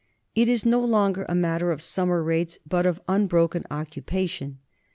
It is no longer a matter of summer raids but of unbroken occupation.